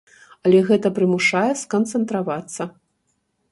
Але гэта прымушае сканцэнтравацца.